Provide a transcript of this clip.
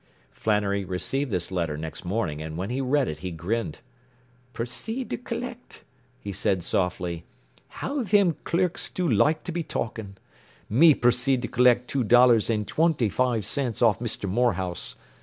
” Flannery received this letter next morning, and when he read it he grinned. “Proceed to collect,” he said softly. “How thim clerks do loike to be talkin'! Me proceed to collect two dollars and twinty foive cints off Misther Morehouse!